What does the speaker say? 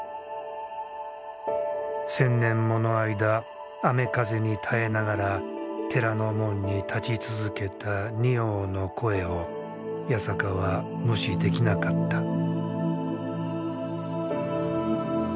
千年もの間雨風に耐えながら寺の門に立ち続けた仁王の声を八坂は無視できなかった。